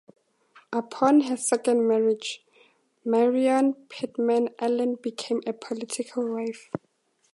Upon her second marriage, Maryon Pittman Allen became a political wife.